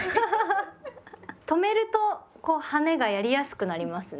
止めると「はね」がやりやすくなりますね。